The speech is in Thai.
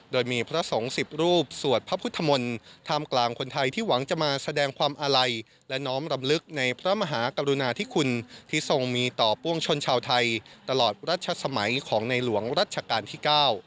โดยมีพระสงฆ์๑๐รูปสวดพระพุทธมนตร์ท่ามกลางคนไทยที่หวังจะมาแสดงความอาลัยและน้อมรำลึกในพระมหากรุณาธิคุณที่ทรงมีต่อปวงชนชาวไทยตลอดรัชสมัยของในหลวงรัชกาลที่๙